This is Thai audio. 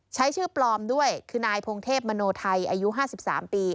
ใช้ชื่อปลอมด้วยคือนายพงเทพมโนไทยอายุ๕๓ปี